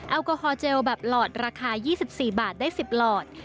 แอลกอฮอลเจลแบบหลอดราคา๒๔บาทได้๑๐หลอด